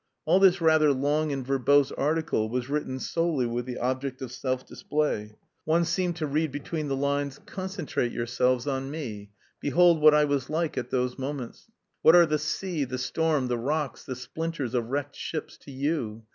All this rather long and verbose article was written solely with the object of self display. One seemed to read between the lines: "Concentrate yourselves on me. Behold what I was like at those moments. What are the sea, the storm, the rocks, the splinters of wrecked ships to you?